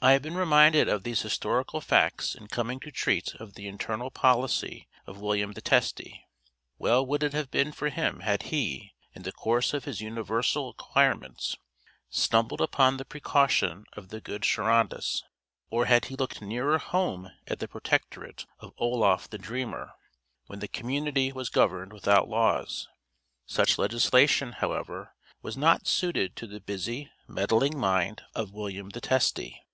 I have been reminded of these historical facts in coming to treat of the internal policy of William the Testy. Well would it have been for him had he in the course of his universal acquirements stumbled upon the precaution of the good Charondas; or had he looked nearer home at the protectorate of Oloffe the Dreamer, when the community was governed without laws. Such legislation, however, was not suited to the busy, meddling mind of William the Testy.